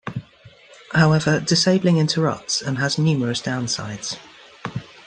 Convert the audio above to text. However, disabling interrupts has numerous downsides.